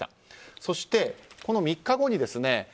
そして、この３日後にですね